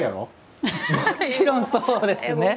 もちろんそうですね。